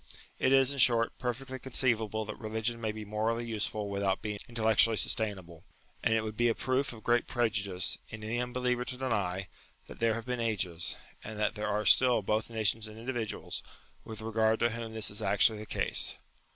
It is, in short, perfectly conceivable that 74 UTILITY OF RELIGION religion may be morally useful without being intel lectually sustainable : and it would be a proof of great prejudice in any unbeliever to deny, tbat there have been ages, and that there are still both nations and individuals, with regard to whom this is actually the case.